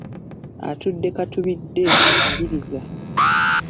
Atudde katubidde, maliriza.